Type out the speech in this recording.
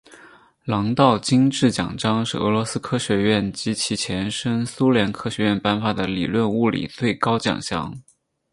朗道金质奖章是俄罗斯科学院及其前身苏联科学院颁发的理论物理最高奖项。